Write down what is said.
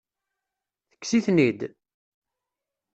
Tekkes-iten-id?